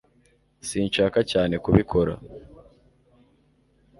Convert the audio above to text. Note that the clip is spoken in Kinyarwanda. sinshaka cyane kubikora